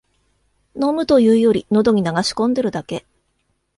飲むというより、のどに流し込んでるだけ